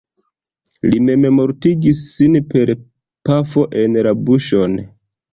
Li memmortigis sin per pafo en la buŝon.